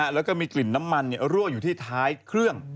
แล้วก็มีกลิ่นน้ำมันรั่วอยู่ที่ท้ายเครื่อง